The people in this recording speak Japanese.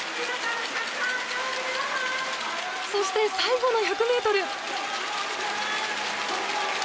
そして、最後の１００ｍ。